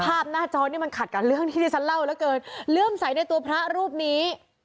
หน้าจอนี่มันขัดกับเรื่องที่ที่ฉันเล่าเหลือเกินเลื่อมใสในตัวพระรูปนี้